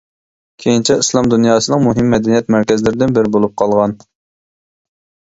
كېيىنچە ئىسلام دۇنياسىنىڭ مۇھىم مەدەنىيەت مەركەزلىرىدىن بىرى بولۇپ قالغان.